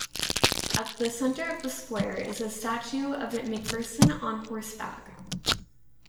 At the center of the square is a statue of McPherson on horseback.